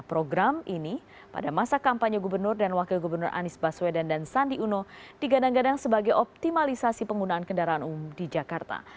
program ini pada masa kampanye gubernur dan wakil gubernur anies baswedan dan sandi uno digadang gadang sebagai optimalisasi penggunaan kendaraan umum di jakarta